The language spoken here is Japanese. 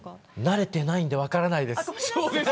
慣れていないんで分からないです。